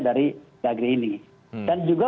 dari dagri ini dan juga